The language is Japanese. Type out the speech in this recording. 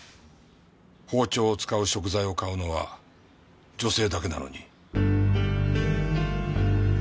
包丁を使う食材を買うのは女性だけなのに？